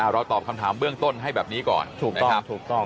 เราตอบคำถามเบื้องต้นการปฏิเวลาให้แบบนี้ก่อนนะครับ